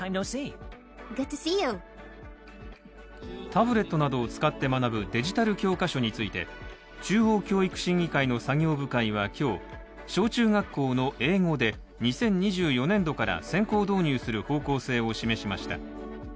タブレットなどを使って学ぶデジタル教科書について中央教育審議会の作業部会は今日、小中学校の英語で、２０２４年度から先行導入する方向性を示しました。